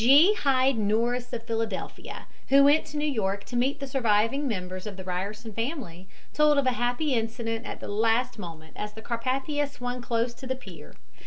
G. Heide Norris of Philadelphia, who went to New York to meet the surviving members of the Ryerson family, told of a happy incident at the last moment as the Carpathia swung close to the pier.